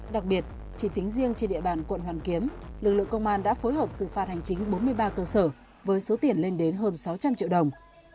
đặc biệt chỉ tính riêng trên địa bàn quận hoàn kiếm lực lượng công an đã phối hợp xử phạt hành chính bốn mươi ba cơ sở với số tiền lên đến hơn sáu trăm linh triệu đồng